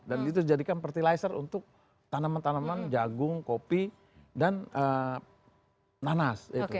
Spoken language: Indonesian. dan itu dijadikan fertilizer untuk tanaman tanaman jagung kopi dan nanas